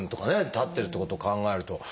たってるってことを考えると。